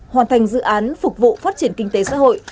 hoàn thành dự án phục vụ phát triển kinh tế xã hội